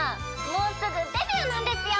もうすぐデビューなんですよ！